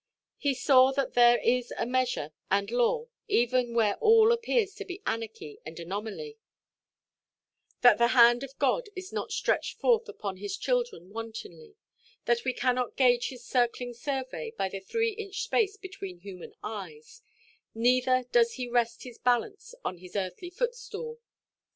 He saw that there is a measure and law, even where all appears to be anarchy and anomaly; that the hand of God is not stretched forth upon His children wantonly; that we cannot gauge His circling survey by the three–inch space between human eyes, neither does He rest His balance on His earthly footstool.